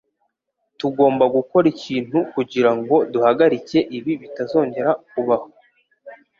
Tugomba gukora ikintu kugirango duhagarike ibi bitazongera kubaho.